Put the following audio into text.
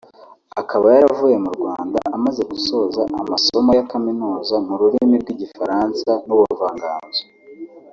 akaba yaravuye mu Rwanda amaze gusoza amasomo ya kaminuza mu rurimi rw’Igifaransa n’Ubuvanganzo